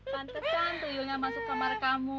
pantesan tuyulnya masuk kamar kamu